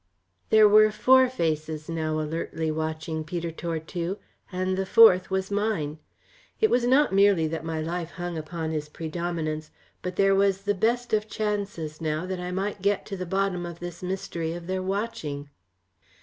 There were four faces now alertly watching Peter Tortue, and the fourth was mine. It was not merely that my life hung upon his predominance, but there was the best of chances now that I might get to the bottom of the mystery of their watching.